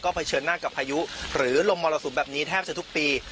เผชิญหน้ากับพายุหรือลมมรสุมแบบนี้แทบจะทุกปี